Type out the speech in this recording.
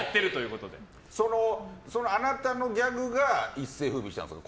あなたのギャグが一世を風靡したんですか。